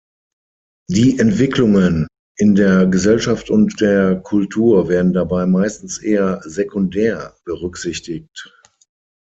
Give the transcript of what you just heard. Die Entwicklungen in der Gesellschaft und der Kultur werden dabei meistens eher sekundär berücksichtigt.